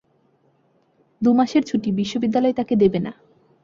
দু মাসের ছুটি বিশ্ববিদ্যালয় তাঁকে দেবে না।